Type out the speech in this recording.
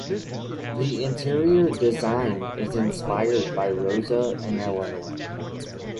The interior design is inspired by Rosa and Eleanor.